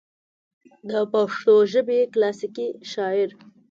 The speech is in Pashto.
دَپښتو ژبې کلاسيکي شاعر